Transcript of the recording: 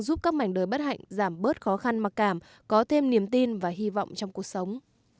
giúp các mảnh đời bất hạnh giảm bớt khó khăn mặc cảm có thêm niềm tin và hy vọng trong cuộc sống